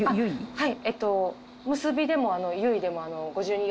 はい。